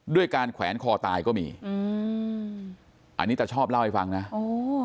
ด้วยการแขวนคอตายก็มีอืมอันนี้ตาชอบเล่าให้ฟังนะโอ้